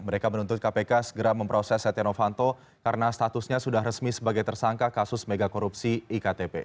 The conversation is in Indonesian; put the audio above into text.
mereka menuntut kpk segera memproses setia novanto karena statusnya sudah resmi sebagai tersangka kasus mega korupsi iktp